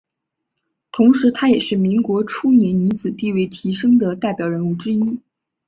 同时她也是民国初年女子地位提升的代表人物之一。